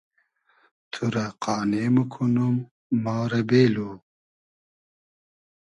تو رۂ قانې موکونوم ما رۂ بېلو